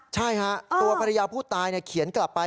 ใช่ฮะตัวภรรยาผู้ตายเขียนกลับไป